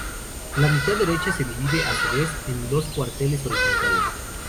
La mitad derecha se divide, a su vez, en dos cuarteles horizontales.